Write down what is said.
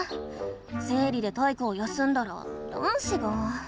生理で体育を休んだら男子が。